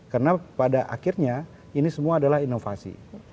karena pada akhirnya ini semua adalah inovasi